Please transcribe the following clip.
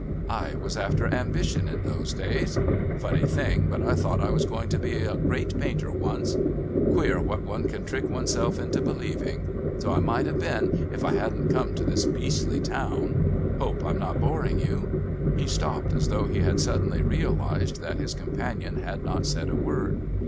I was after Ambition in those days. Funny thing, but I thought I was going to be a great painter once. Queer what one can trick oneself into believing so I might have been if I hadn't come to this beastly town. Hope I'm not boring you...." He stopped as though he had suddenly realised that his companion had not said a word.